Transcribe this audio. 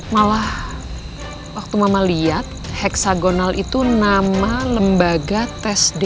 malah waktu mama lihat heksagonal itu nama lembaga tes dna